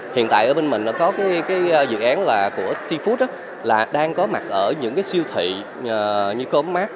hiện tại ở bên mình có dự án của t food đang có mặt ở những siêu thị như comac